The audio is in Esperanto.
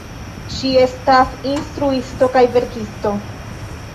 Ŝi estas instruisto kaj verkisto.